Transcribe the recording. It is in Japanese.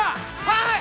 はい！